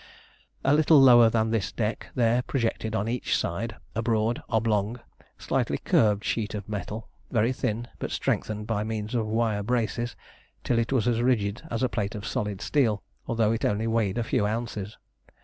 A little lower than this deck there projected on each side a broad, oblong, slightly curved sheet of metal, very thin, but strengthened by means of wire braces, till it was as rigid as a plate of solid steel, although it only weighed a few ounces.